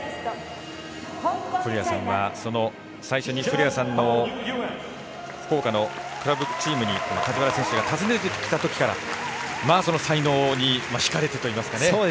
古屋さんは最初に古屋さんの福岡のクラブチームに梶原選手が訪ねてきたときから才能にひかれてといいますか。